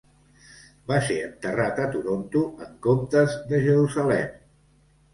Va ser enterrat a Toronto en comptes de Jerusalem.